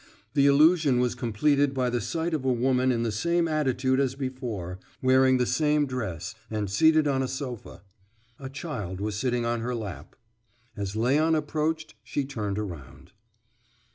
The illusion was completed by the sight of a woman in the same attitude as before, wearing the same dress and seated on a sofa. A child was sitting on her lap. As Léon approached, she turned around.